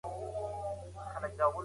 زه په مکتب کښي خوشحاله یم.